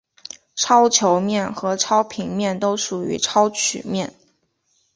超球面和超平面都属于超曲面。